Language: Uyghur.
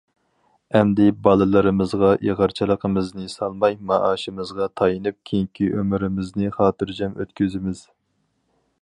ئەمدى بالىلىرىمىزغا ئېغىرچىلىقىمىزنى سالماي، مائاشىمىزغا تايىنىپ كېيىنكى ئۆمرىمىزنى خاتىرجەم ئۆتكۈزىمىز.